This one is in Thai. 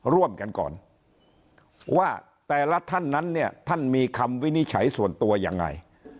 ร่วมกันก่อนว่าแต่ละท่านนั้นเนี่ยท่านมีคำวินิจฉัยส่วนตัวยังไง